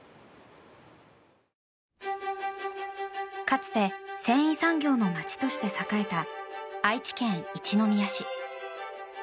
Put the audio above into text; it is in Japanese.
かつて繊維産業の街として栄えた愛知県一宮市。